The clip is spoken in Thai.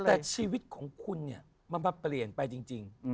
แต่ชีวิตของคุณเนี่ยมันมาเปลี่ยนไปจริง